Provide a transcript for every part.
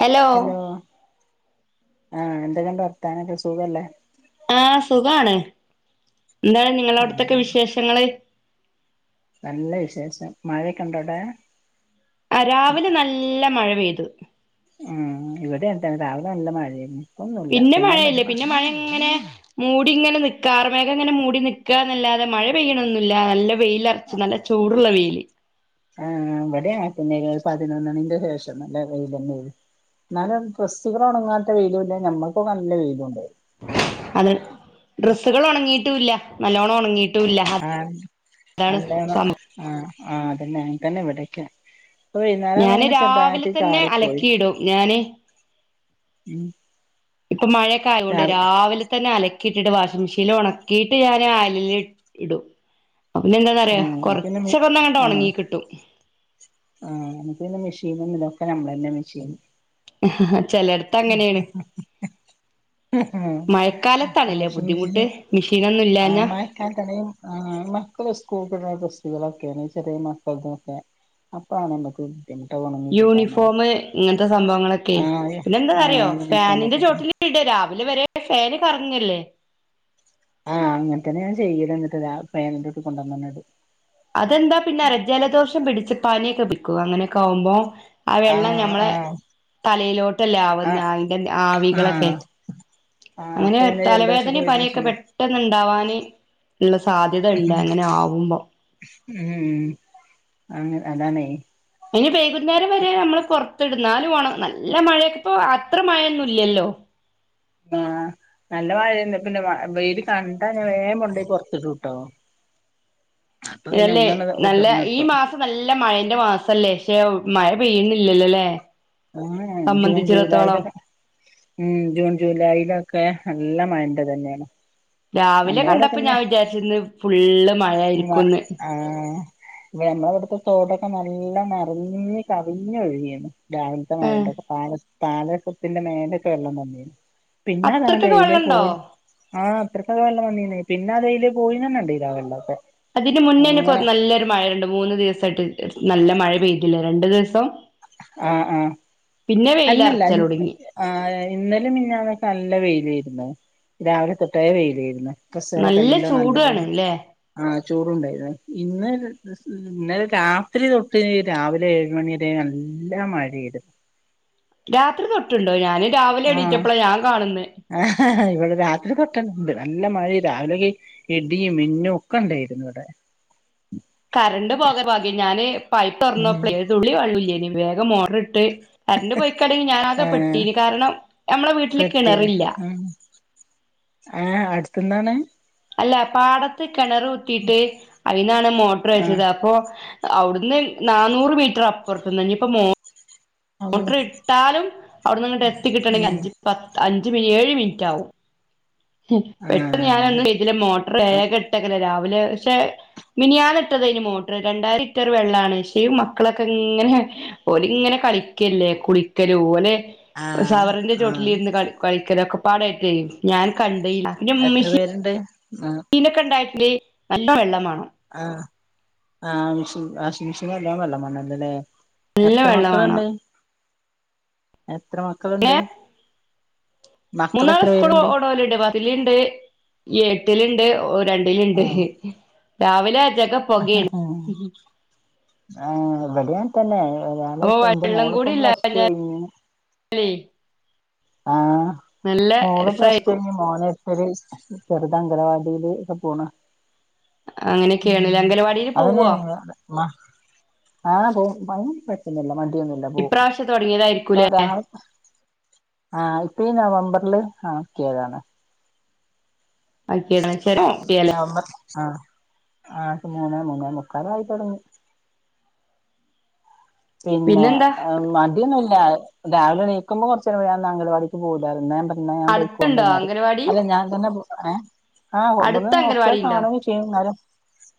Hello ആ എന്തൊക്കെണ്ട് വർത്താനൊക്കെ സുഖല്ലേ ആ, സുഖാണ് എന്താണ് നിങ്ങള ആഹ് അവിടത്തൊക്കെ വിശേഷങ്ങള്. നല്ല വിശേഷം, മഴയൊക്കെ ഉണ്ടോ അവിടെ രാവിലെ നല്ല മഴ പെയ്ത് ഉം, ഇവിടെേ എന്ത രാവിലെ നല്ല മഴയാ പിന്നെ മഴയില്ല, പിന്നെ മഴ ഇങ്ങനെ മൂടി ഇങ്ങനെ നിക്കുക, കാർമേഘം ഇങ്ങനെ മൂടി നിക്കുകന്നല്ലാതെ മഴ പെയ്യണൊന്നില്ല, നല്ല വെയിൽ ഒറച്ചു നല്ല ചൂടുള്ള വെയില് ആ ഇവിടെ, പിന്നെ പതിനൊന്ന് മണിന്റെ ശേഷം നല്ല വെയില് തന്നെയ, എന്നാലും ഡ്രസ്സ്കള് ഉണങ്ങാത്ത വെയിലും ഇല്ല നമ്മക്കും നല്ല വെയിലും ഉണ്ട്. അത് ഡ്രസ്സുകൾ ഉണങ്ങിട്ട് ഉണങ്ങിട്ടുവില്ല, നല്ലോണം ഉണങ്ങിട്ട് ആ, അല്ല, സംഭവം ആ, അതന്നെയ തന്നെ ഇവിടേക്ക ഞാന് രാവിലെ തന്നെ അലക്കിടും ഞാന് ഉം ഇപ്പ മഴൊക്കെ ആയുകൊണ്ട് രാവിലെ തന്നെ ആല ക്കിട്ടിട്ട് വാഷിംഗ മെഷീൻ ഉണക്കിയിട്ട് ഞാൻ അയലിൽ ഇടും പിന്നെ ആ എന്താന്നറിയോ നമക്ക്ന്നെ കൊറച്ചൊക്കെ ഒന്നങ്ങട്ട് ആ ഒണങ്ങി കിട്ടും ആ നമക്ക്ന്നെ മെഷീന്നില്ല ക്കെ നമ്മളന്നെ വി ചെയ്യുന്നു ആ മഴക്കാലത്താണല്ലേ വാഷിംഗ മെഷീന് ബുദ്ധിമുട്ട് മെഷീനൊന്നും ആ ഇല്ലാഞ്ഞാ മഴക്കാ തണയും മക്കള സ്കൂൾട ികളൊക്കെ ചെറിയ മസ്തുംൊക്കെ അപ്പാണ് എക്ക് യൂണിഫോമങ്ങ സംഭവങ്ങളൊക്കെ ആഹ് പിന്നെ എന്താ അറിയോ ആഹ് ഫാനിന്റെ യൂണിഫോമൊക്കെ തന്നെ ചോട്ടിലടെ രാവിലെ വരെ ഫേനി പറഞ്ഞല്ലേ ആഹ് അങ്ങനെ തന്നെയഞാ ചെയ്യത് എന്നിട്ട് പേനന്റെറെൊട്ടി കൊണ്ടുവന്നന്നത് അതെന്താ പിന്നെ അറ ജലദോഷം പിടിച്ച പനിയൊക്കെ വിൽക്കും അങ്ങനൊക്കെ ആുമ്പോ ആ വെള്ളം ആഹ് ഞമ്മളെ ആഹ് തലയിലോട്ടല്ല ആവുന്ന ആഹ് അതിന്റെ ആവികളൊക്കെ ആഹ് ആഹ് അങ്ങനെ അപ്പൊ പിന്നെ ജലദോഷൊക്കെ തലവേദന വരും പനിയൊക്കെ ചെയ്യും പെട്ടെന്ന ഉണ്ടാവാാന് ഉള്ള സാധ്യത ഉണ്ട് അങ്ങനെ ആവുമ്പോ ഉം അങ്ങ അതാാണ്േ അതിന് വൈകുന്നേരം വരെ നമ്മള് പുൊത്തിടുന്നാലും ഓണം നല്ല മഴയൊക്കെപ്പോ അത്ര മഴയൊന്നുമല്ലല്ലോ ആ നല്ല മഴന്ന പിന്നെ വെൽ കണ്ടന്നെ വേണ്ടയി പറത്തിട്ട് കട്ടോ ഇതല്ലേ നല്ല ഈ മാസം നല്ല മഴന്റെ മാസല്ലേ ശ മഴ പെയ്യുന്ന ഇില്ലല്ലോല്ലേ ആ ജൂൺ ജൂലായിതൊക്കെ ഉം ജൂൺ ജൂലൈയിലൊക്കെ നല്ല മയൻ്റെ ഇതന്യാണ് രാവിലെ കണ്ടപ്പോ ഞാൻ വിചാരിച്ചിന്ന് ഫുള്ള് മഴ ആയിരിക്കുംന്ന് ഞമ്മള ഇവിട്ത്തെ തോടൊക്കെ നല്ലം നറഞ്ഞ് കവിഞ്ഞ് ഒഴുകീണ് രാവിൽത്തെ ഏഹ് മഴോണ്ടൊക്കെ പാടെ [unintelligible] ത്തിന്റെ മേലക്കെ വെള്ളം വന്നിനി പിന്നെതാണ്ട അത്രക്കൊക്കെ എയിലെ വെള്ളണ്ടോ പോയി ആ അത്രകൊക്കെ വെള്ളം വന്നീന്നേ പിന്നെ അതെയ്ലേ പോയീന്നെന്നെ കണ്ടീല്ല ആ വെള്ളൊക്കെ അതിന് മുന്നേന്നെ അങ്ങനെ [unintelligible] നല്ലൊരു മഴയുണ്ട് മൂന്ന് ദിവസ് സായിട്ട് നല്ല മഴ പെയ്തിലെ രണ്ടു ദിവസം ആഹ് ആഹ് പിന്നെ അല്ലല്ല വെയിലറച്ചല് തുടങ്ങി ആ അതെ ഇന്നലിം മിഞ്ഞാന്നൊക്കെ നല്ല വെയിലേര്ന്ന് രാവിലെ തൊട്ടേ വെയിലേര്ന്നു ബസ്കളൊക്കെ എല്ലാം നല്ല ചൂടാണ് പോലെ ല്ലേ ആ ചൂടൂണ്ടായിരുന്ന് ഇന്ന് ഇന്നലെ രാത്രി തൊട്ട് രാവിലെ ഏഴുമണി വരെ ന ല്ല മഴയ്ത് രാത്രി തൊട്ടുണ്ടോ ഞാന് രാവിലെ ആഹ് എണീറ്റപ്പളാ ഞാൻ കാണുന്നെ ഇവിടെ രാത്രി തൊട്ടണണ്ട് നല്ല മഴെം രാവിലെങ്കി ഇടീം മിന്നും ഒക്കെ ഇണ്ടായിരുന്നു ഇവടെ കറണ്ട് പോകാ ഭാഗ്യം ഞാന് പൈപ്പ് ഉം തൊറന്നപ്പളെ ഒരുതുള്ളി വള്ളൂല്ലേനി വേഗം മോട്ടർ ഇട്ട് കരണ്ട് പോയിക്കാണെ ഞാനാകെ ആഹ് പെട്ടീനി കാരണം നമ്മളെ വീട്ടില് പെട്ടീന്ന് കിണറില്ല ത്തുന്നാണ് അല്ല പാടത്ത് കെണറ് കുത്തിട്ട് അയിന്നാണ് മോട്ടറ് ആഹ് വച്ചത് അപ്പൊ അവിടുന്ന് നാന്നൂറ് മീറ്റർ അപ്പുർത്ത്ന്ന് ഞ്ഞിപ്പോ മോ അള്ളോ മോട്ടർ ഇട്ടാലും അവിടെന്ന്ങ്ങട്ട് എത്തി കിട്ടണങ്കി ഉം അഞ്ച് പ അ ഞ്ച് മിനി ഏഴ് മിനിറ്റ് ആവും ഹും പെട്ടെന്ന് ആഹ് ഞാനൊന്നും ചെയ്തില്ല മോട്ടറ് വേഗ ഇട്ട് വെക്കല രാ വിലെ ക്ഷെ മിനിയാന് ഇട്ടതേനിം മോട്ടറ് രണ്ടായിരം ലിറ്റർ വെള്ളാണ് പക്ഷേ മക്കളൊക്കെ ഇങ്ങനെ ഓല് ഇങ്ങനെ കളിക്കല്ലേ കുളിക്കലും ഓല് ആഹ് ഷവറിന്റെ ആഹ് ചോട്ടിലിരുന്ന് കളി കളിക്കലൊക്കെ പാടായ്ട്ടെ ഞ കണ്ടില്ല ഇൻ്റെ എത്ര ഉമ്മച്ചി പേരുണ്ട് ആഹ് [unintelligible] [unintelligible] നല്ല വെള്ളം മാണം ആഹ് ആ മെഷീ വാഷിങ്മെഷിന് നല്ലോം വെള്ളം വേണല്ലോലേ നല്ല എത്ര വെള്ളം വേണം മക്കളുണ്ട് എത്ര മക്കളുണ്ട് ഏ മക്കള് മൂന്നാള് എത്ര സ്കൂൾ ഒ പേരുണ്ട് പോണോരുണ്ട് പത്തില്ണ്ട് എട്ടില്ണ്ട് ഒ രണ്ടിലുണ്ട് ആഹ് രാവിലെ ജഗ പൊകേണ് ആഹ് വടെം അങ്ങനെത്തന്നെ ഒരാള് അപ്പൊ ഇപ്പ ന്റെ മോള് ഇപ്പ പ്ലസ് ടു കഴിഞ്ഞ് ല്ലേ ആ മോള് പ്ലസ് ടു രസായിരിക്കും കഴിഞ്ഞു മോന് [unintelligible] ഒരു ചെറുത അംഗനവാടിയില് ഒക്കെ പോണ് ഉം അങ്ങനെക്കെയാണ് അംഗലവാടിയില് പോവോ ആ പോവും അയ്ന് കൊയപ്പൊന്നുല്ല മടി ഇപ്രാവശ്യം തോടങ്ങിയതായിരിക്കൂലേ ആഹ് ഇപ്പ ഈ നവംബറില് ആക്കിയതാണ് [unintelligible] നവംബർ കുട്ടിയല്ലേ ആഹ് ആ മൂന്നേ മൂന്നേ മുക്കാലായി തുടങ്ങി പിന്നെ പിന്നെന്താ മടിയൊന്നുല്ല രാവിലെ എണീക്കുമ്പോ കുറച്ചുനേരം അങ്കനവാടിക്ക് പോവുലായിരുന്നു [unintelligible] പിന്നെ ഞാൻ ബൈക്ക് കൊണ്ടു അടുത്തുണ്ടോ [unintelligible] അംഗനവാടി അല്ല ഞാൻ തന്നെ ഏ ആഹ് കൊറേ അടുത്ത നോക്കിയ അംഗനവാടി ഉണ്ടോ കാണുകയും ചെയ്യും എന്നാലും-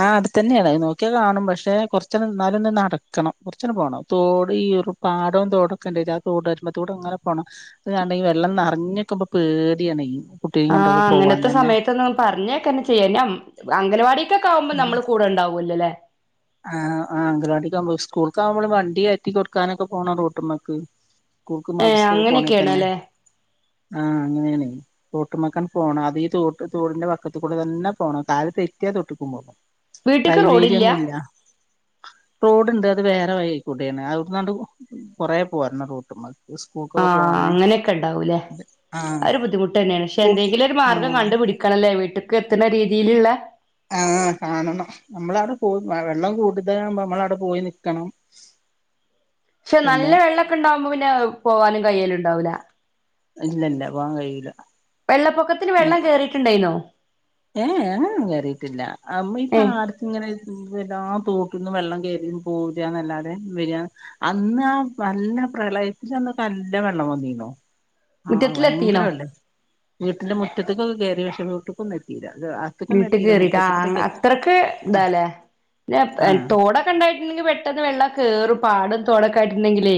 ആ അടുത്തന്നെയാണ് നോക്കിയാൽ കാണും പക്ഷെ കൊറച്ച് എന്നാലും ഒന്ന് നടക്കണം പോണം തോട് ഈ ഒരു പാടവും തോടൊക്കെ ഉണ്ട തോട് വരുമ്പതോടെ അങ്ങനെ പോകണം അതാണ്ടെങ്കിൽ വെള്ളം നിറഞ്ഞക്കുമ്പോ പേടിയാണയിന് ആഹ് അങ്ങനത്തെ സമയത്തൊന്നും പറഞ്ഞേക്കന്നെ ചെയ്യന്നം അംഗനവാടി [unintelligible] ആകുമ്പോ നമ്മള് കൂടെണ്ടാവൂല്ലല്ലേ ആ ആ അംഗനവാടിക്ക് ആകുമ്പോ സ്കൂൾക്ക് ആകുമ്പോൾ വണ്ടി കേറ്റി കൊടുക്കാനൊക്കെ പോണം റോഡുംമേക്ക് ഏഹ് [unintelligible] അങ്ങനെയൊക്കെയാണല്ലേ ആഹ് അങ്ങനെയാണ് തോട്ടുമക്കൻ പോണം അത് ഈ തോട്ട് തോടിന്റെ വക്കത്ത് കൂടെ തന്നെ പോണം കാല് തെറ്റിയ തോട്ടക്കും പോകും വീട്ട്ക്ക് റോഡില്ല ഹൈവേയിലൊന്നുല്ല റോഡ്ണ്ട് അത് വേറെ വഴിയികൂട്യയാണ് അവ്ട്ന്നാണ്ട് കൊറെ പോരണം റോട്ട്മ്മക് ആഹ് അങ്ങനൊക്കെണ്ടാവൂലേ ആഹ് ആ ഒരു ബുദ്ധിമുട്ടന്ന്യാണ് ക്ഷെ സ്കൂൾക്ക് എന്തെങ്കിലൊരു മാർഗം ആഹ് കണ്ട് പിടിക്കണല്ലോ വീട്ടി എത്ത്ണ രീതിയിലുള്ള ആഹ് കാണണം നമ്മളവ്ടെ പോ വെളണ്ണം കൂടുതലാവ്മ്പോ മ്മളവ്ടെ പോയി നിക്കണം പക്ഷെ നല്ല പിന്നെ വെള്ളൊക്കെ ഇണ്ടാവുമ്പോ പിന്നെ പോവാനും കയ്യല് ണ്ടാവുല ഇല്ല ഇല്ല പോവാൻ കയൂല വെള്ളപ്പൊക്കത്തിന് വെള്ളം കേറിട്ടുണ്ടായ്നോ ഏഹ് ങ്ങനൊന്നും കേറിട്ടില്ല ഏ അമ്മഇപാട്ത്ത്ങ്ങനെ [unintelligible] തോട്ടിന്ന് വെള്ളം കേറിന്ന് പോരാന്നല്ലാതെ വര അന്ന് ആ നല്ല പ്രളയിച്ചന്ന് നല്ല വെള്ളം വന്നീനു ആഹ് ഭയങ്കര മുറ്റത്തിലെത്തീണോ വെള്ളെ വീട്ടിന്റെ മുറ്റത്കൊക്കെ കേ [unintelligible] വീട്ട് കേറിട്ട ആ എത്തി അത്രക്ക് താല്ലേ ആ ന്ന തോടൊക്കെ ണ്ടായിട്ട്ണ്ടെങ്കി പെട്ടെന്ന് വെള്ളം കേറും പാടം തൊടൊക്ക ആയിട്ടുണ്ടെങ്കിലേ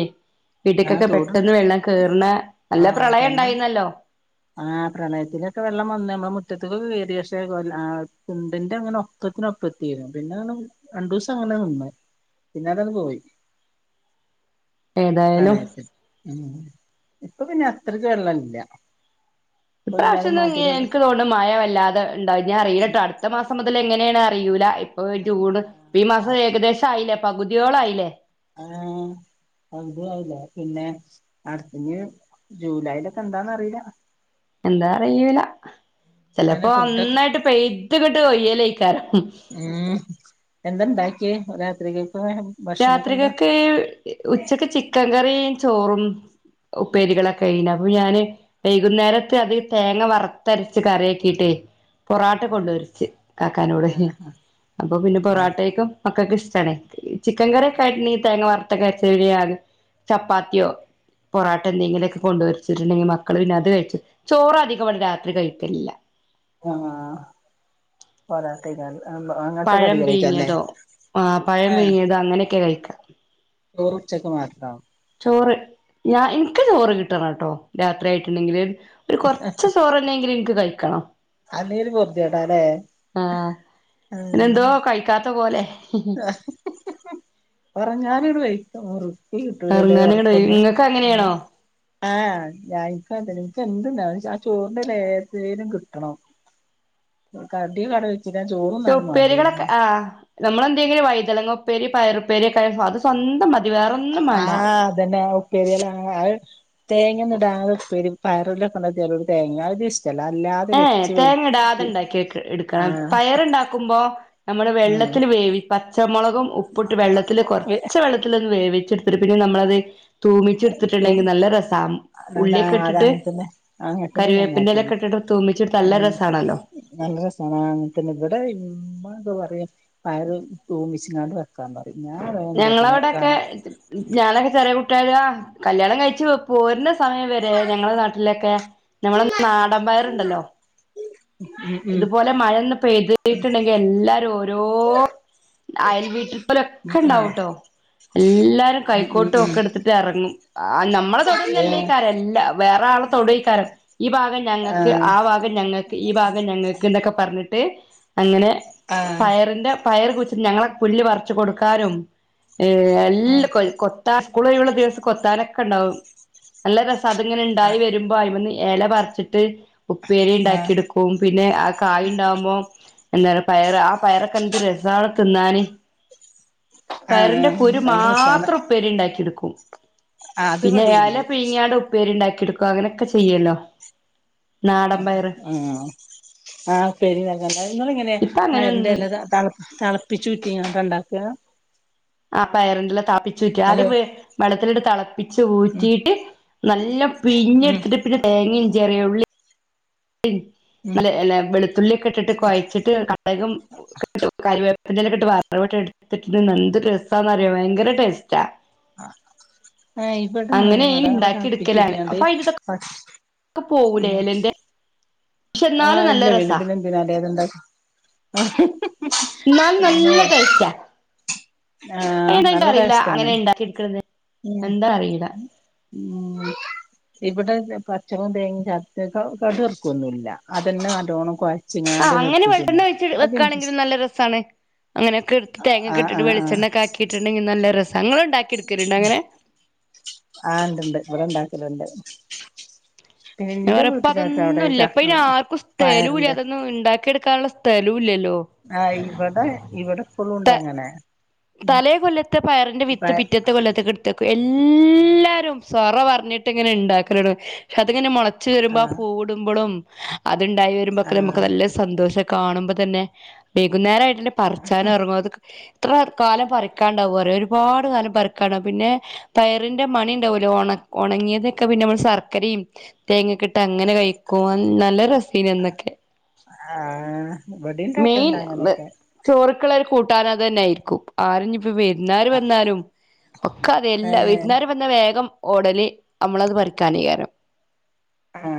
വീട്ടിക്കൊക്കെ തൂട് പെട്ടെന്ന് വെള്ളം കേറുന്ന ആ നല്ല പ്രളയം ഉണ്ടായിന്നല്ലോ ആഹ പ്രളയത്തിലൊക്കെ വെള്ളം വന്ന്പോ മുറ്റത്തക്കൊക്കെ കയറി പക്ഷെ കൊല്ല ചണ്ടിന്റെ അങ്ങനെ ഒപ്പത്തിന ഒപ്പത്തിും പിന്നെ അ രണ്ടു ദിവസം അങ്ങനെ നിന്ന പിന്നെ അതന്ന് പോയി ഏതായാലും പ്രണയത്തി ഉ ഇപ്പൊ പിന്നെ അത്രയ്ക്ക് വെള്ള ഇില്ല ഇപ്രാവശ്യംന്ന എനിക്ക് തോന്നും മഴ വല്ലാതെ ഉണ്ടാവും ഞാൻ അറിയില്ലെട്ടോ അടുത്ത മാസം മുതൽ എങ്ങനെയാണ് അറിൂല ഇപ്പൊ ജൂണ് അറിയൂല ഈ മാസം ആഹ് ഏകദേശം ആയില്ല പകുതിയോളായില്ലേ ആഹ അതല്ല പിന്നെ അടുത്തഞ്ഞ് ജൂലൈലൊക്കെ എന്താന്ന് അറിയില്ല എന്താ അറിയല പിന്നെ ചിലപ്പോ ഫുഡ് നന്നായിട്ട് പെയ ഇത്ത കേട്ടോ ഏലൈക്കാര ഉം എന്തന്താ രാത്രിക രാത്രികൊക്കെ ഉച്ചക്ക് ചിക്കൻ കറി ചോറും ഉപ്പേരികളൊക്കെ കഴന അപ്പൊ ഞാന് വൈകുന്നേരത്തെ അത് തേങ്ങ വറത്തരച്ച് കറിയക്കിട്ടേ പൊറാട്ട ചപ്പാത്തി കൊണ്ടുവരിച്ച് കാക്കാനോൂടെ ആഹ് അപ്പൊ പിന്നെ ആഹ് പൊറോട്ടേക്കും ൊക്ക ഇഷ്ടണ ചിക്കൻ കറി കട്ടീ താങ്ങങ് മാറ ത്ത കരച്ചക ചപ്പാത്തിയോ പൊറോട്ട എന്തെങ്കിലുമൊക്കെ കൊണ്ട വരിച്ചിട്ടുണ്ടെങ്കിൽ മക്കള് പിന്നെ അത് കഴിച്ചു ചോറ അധികമാണ് രാത്രി കഴിക്കില്ല ആഹ പോരാത്ത ഗല്ല പഴം പിീഞ്ഞതോ ആ പഴം പിീഞ്ഞതോ അങ്ങനെയൊക്കെ കഴിക്കും ഓ ഉച്ചക്ക് മാത്രോ ചോറ് ഞാ ഇൻക്ക് ചോറ് കിട്ടണട്ടോ രാത്രിയയിട്ട്ണ്ടെങ്കില് ഒരു കൊർച്ച് ചോറ്ന്നെങ്കിലും ഇൻക്ക് കഴിക് ക്കണം അല്ലല് പർത്തിേട്ടാ അല്ലേ ആഹ് ഉ പിന്നെന്തോ [unintelligible] കഴിക്കാത്ത പോലെ ആ പറഞ്ഞാല ഇവി [unintelligible] ടെ വഴക്കറ ഇറങ്ങാ [unintelligible] ന ഇട ഇങ്ങക്ക് അങ്ങനെയാണോ ആഹ് ഞാൻപ്പ നിന [unintelligible] ക്ക് എന്ണ്ട ആ ചോറിന്റെ ലേഏതേനും കിട്ടണം കടിയ കട ഞാൻ ചോറുണ്ണാനും ഉപ്പേരികളൊക്കെ മാണ്ടില്ല ആ നമ്മളെന്തെങ്കിലും വഴിതനങ്ങ ഉപ്പേരി പയർപ്പേരിയൊക്കെ ആയാൽ അത് സ്വന്തം മതി വേറൊന്നും വേണ്ട ആഹ് അതന്നെ ഉപ്പേരില്ല തേങ്ങ ഒന്നും ഇടാതെ ഉപ്പേരി പയറുല്ലൊ [unintelligible] ക്കെണ്ട ചെറിയ ഒരു തേങ്ങ അത്‌ ജെ - ഏ തേങ്ങ ഇടാതെ ഇണ്ടാക്കി എട് ക്കണം ആഹ് പയർണ്ടാക്കുമ്പോ നമ്മള് ആഹ് വെള്ളത്തിൽ വേവി പച്ചമുളകും ഉപ്പുട്ട് വെള്ളത്തില് കൊറച്ച് വെള്ളത്തിലൊന്ന് വേവി എടുത്തിട്ട് പിന്നെ നമ്മളത് തൂമിച്ചെടുത്തിട്ടുണ്ടെങ്കിൽ നല്ല രസം അതാ ഉള്ളിയൊക്കെ അത് ഇട്ടിട്ട് കറിവേപ്പിന്റയില ഒക്കെ ഇട്ടിട്ട് തൂമിച്ചെടുത്ത ആ നല്ല രസാണല്ലോ നല്ല രസാണ് അങ്ങൻ തന്നെ ഇവടെ ഇമ്മ എന്ത്‌ വ പയറ് തൂമിച്ചങ്ങാണ്ട് വെക്കാൻ പറയും ഞാൻ വേം എന്താട്ടും ഞങ്ങളവിടെക്കെ കാണാ ഞാനൊക്കെ ചെറിയ കുട്ടി- [unintelligible] കല്യാണം കഴിച്ചു പോരുന്ന- സമയം വരെ ഞങ്ങളുടെ നാട്ടിലൊക്കെ ഞമ്മളെ നാടമ്പയറുണ്ടല്ലോ ഉം ഉം ഇതുപോലെ മഴന്ന് പെയ്തിട്ടുണ്ടെങ്കിൽ എല്ലാരും ഓരോ അയൽ വീട്ടിപലേ ആഹ് ണ്ടാവുംട്ടോ എല്ലാരും ഉം ഉം ഉം കൈക്കോട്ടൊക്കെ എടുത്തിട്ട് ഇറങ്ങും ഉം ആ നമ്മളെ ഏഹ് തൊടോന്നല്ലേക്കാരം എല്ല വേറെ ആളെ തൊടേക്കാരം ഈ ഭാഗം ഞങ്ങക്ക് ആഹ് ആ ഭാഗം ഞങ്ങക്ക് ഈ ഭാഗം ഞങ്ങക്ക് എന്നൊക്കെ പർഞ്ഞിട്ട് തേ അങ്ങനെ ആഹ് പയറിന്റെ പയറ് കുയ്ച്ചിട്ട്ന് ഞങ്ങളെ പുല്ല് പർച്ച് കൊട് ക്കാരും ഏ എല്ല ആഹ് കൊൽ കൊത്താസ് സ്കൂലയ്വുള്ള ദിവസം കൊത്താനൊക്കെ ഇണ്ടാവും നല്ല രസ് അതങ്ങനെ ഉണ്ടായി വരുമ്പോ അയ്മെന്ന് എല പർച്ചിട്ട് ഉപ്പേരി ആഹ് ഇണ്ടാക്കി ആഹ് എട്ക്കും പിന്നെ ആ കായി ഇണ്ടാവുമ്പോ എന്ത പയർ ആ പയറൊക്കെ എന്ത് രസാണ് തിന്നാന് പയറിന്റെ ആഹ് കുരു നല്ല രസാണ് മാത്രം ഉപ്പേരി ഇണ്ടാക്കി ഓ ആഹ് അത് പിന്നെ എല ഇവടിണ്ട് പിഴങ്ങിയാണ്ട് ഉപ്പേരുണ്ടാക്കി എടുക്കു അങ്ങനെക്കെ ചെയ്യല്ലോ നാടൻ ആ പയറ് ആ ആ ഉപ്പേരി ഉണ്ടാക്കലുണ്ട് ഇങ്ങള് ഏങ്ങ്നെ ഇപ്പൊ പയറിന്റെ അങ്ങനെയൊന്നുല്ല എല തെള തെളപ്പിച്ചൂറ്റിക്കാണ്ട് ഉണ്ടക്ക ആ പയറിന്റല താപ്പി ക്ക ആദ്യം വേ വെള്ളത്തിലിട്ട് തെളപ്പിച്ച് ഉം ഊറ്റീട്ട് നല്ലോം ഉം പിഴിഞ്ഞ്ട്ത്ത് ട്ട് പിന്നെ തേങ്ങിം ചെറിയള്ളീം ല്ലിം ഉം നല്ല വെളുത്തുള്ളിയൊക്കെ ഇട്ടിട്ട് കുഴച്ചിട്ട് കടകും ഉ കറിവേപ്പി ക്കെട്ട് വറവട്ട് എടുത്തിട്ട് എന്ത് രസാന്നറിയ ഭയങ്ക ടേസ്റ്റാ ആ ഇവിടെ അങ്ങനെ ഞങ്ങൾ ഇനി ഇണ്ടാക്കി എടുക്കലാണ് തിളപ്പിച്ചുിട്ടിയാണ്ട് അപ്പൊ അതിന്റെതൊക്കെ പക്ഷ പോകൂലേ എലന്റെ പക്ഷെ ആ എന്നാലും നല്ല ഇല്ല വീണു രസാ പിന്നെ എന്തിന അതുണ്ടാക്കിയെ ണ്ട അറിയില്ല അങ്ങനെ ഇണ്ടാകിടക്കേണതു എന്താ അറിയില്ല ഉ ഇവിടെ പച്ചളും തേങ്ങയും ചതച്ച് കട് വറക്കൊന്നുമല്ല അതന്നെ നല്ലോണം കുഴ ആഹ് അങ്ങനെ വെളിച്ചണ്ണ ഒഴിച്ചു വെക്കാണെങ്കിലും നല്ല രസമാണ് അങ്ങനെക്കെ എടുത്ത് തേങ്ങക്കെട്ടിട്ട് വെളിച്ചെണ്ണ ഒക്കെ ആക്കിട്ടുണ്ടെങ്കിൽ നല്ല രസം ആണ്ട്ണ്ട് അവിടെ ഇണ്ടാക്കലുണ്ട് പിന്നെ ഞാ ഇന്റെ പറയാ ഇപ്പൊ വീട്ടിലാട്ടോ അതൊന്നും അവിടെ ഇല്ല ചക്ക ഇപ്പം ആർക്കും സ്ഥലലൂല്ല പയറിന്റെ അതൊന്നും ഉണ്ടാക്കിയ എടുക്കാനുള്ള സ്ഥല് ആഹ് ഇവടെ ഇവടെ ത ഇപ്പളുണ്ടങ്ങനെ തലേ കൊല്ലത്തെ പയറിന്റെ വിത്ത് പിറ്റത്തെ കൊല്ലത്കിടുത്ത എല്ലാരും സൊറ പറഞ്ഞിട്ട് ഇങ്ങനെ ഉണ്ടാക്കല പക്ഷെ അതിങ്ങനെ മുള ച് വരുമ്പോ ആ ആഹ് പൂവുടുമ്പളും അതുണ്ടായി വരുമ്പോക്കെ നമുക്ക് ആഹ് നല്ല സന്തോഷം കാണുമ്പോ തന്നെ വൈകുന്നേരമായിട്ട്ന്റെ പറച്ചാനും ഇറങ്ങും അത ത്ര കാലം പറിക്കാണ്ടാവും ഒരുപാട് കാലം പറിക്കാണ്ടാവും പിന്നെ പയറിന്റെ മണി ഉണ്ടാവൂല്ലോ ഉണങ്ങിയതൊക്കെ പിന്നെ നമ്മ ശർക്കരയും തേങ്ങ ട്ട് ങ്ങനെ കഴിക്കും നല്ല രസൈനന്നൊക്കെ ആഹ് ഇവിടിം മെയിൻ ഇണ്ടാക്കല്ണ്ട് അങ്ങനെയൊക്കെ ചോറൊക്കെ എപ്പളും കൂട്ടാന് അത് തന്നെയയിരിക്കും ആരഞ് വിര്ന്നാര് വന്നാലും ഒക്ക അതെ എല്ലാ ഏഹ് വിര്ന്നാര് വന്നാ വേഗം ഓടല് നമ്മളത് പറിക്കാനെകാരം ആ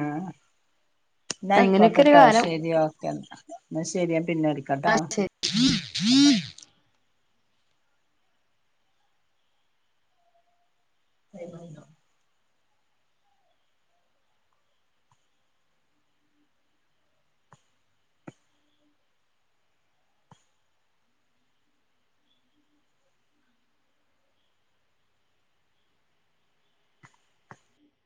എന്നാ അങ്ങനെയൊക്കെ ഒരു അയ്ക്കോട്ടെട്ടോ കാലം ശരി ഓക്കെ എന്നാ എന്നാ ശരി പിന്നെ വിളി [unintelligible] [inaudible]